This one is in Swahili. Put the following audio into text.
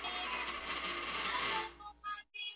Kikatiba chombo kikuu ni Bunge la umma